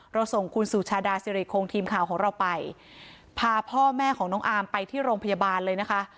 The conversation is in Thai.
ส่งคุณสุชาดาสิริคงทีมข่าวของเราไปพาพ่อแม่ของน้องอามไปที่โรงพยาบาลเลยนะคะ